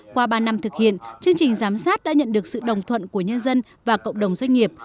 qua ba năm thực hiện chương trình giám sát đã nhận được sự đồng thuận của nhân dân và cộng đồng doanh nghiệp